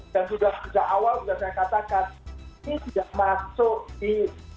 dan sudah awal sudah saya katakan ini tidak masuk di